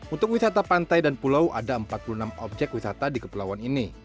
untuk wisata pantai dan pulau ada empat puluh enam objek wisata di kepulauan ini